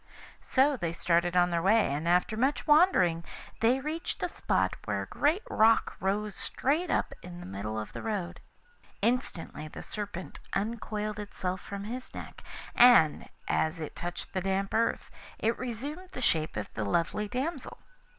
So they started on their way, and after much wandering they reached a spot where a great rock rose straight up in the middle of the road. Instantly the Serpent uncoiled itself from his neck, and, as it touched the damp earth, it resumed the shape of the lovely damsel.